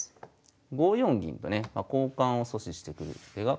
５四銀とね交換を阻止してくる手が考えられます。